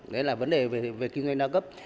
đấy là vấn đề về kinh doanh đa cấp